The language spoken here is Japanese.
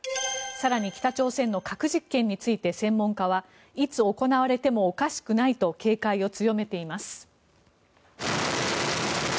更に北朝鮮の核実験について専門家はいつ行われてもおかしくないと警戒を強めています。